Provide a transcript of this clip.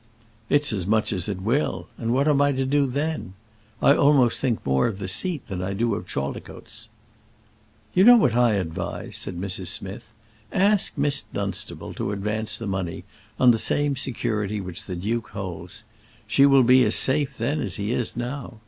"It's as much as it will; and what am I to do then? I almost think more of the seat than I do of Chaldicotes." "You know what I advise," said Mrs. Smith. "Ask Miss Dunstable to advance the money on the same security which the duke holds. She will be as safe then as he is now.